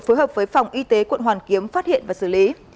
phối hợp với phòng y tế quận hoàn kiếm phát hiện và xử lý